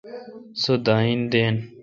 سو داین دین۔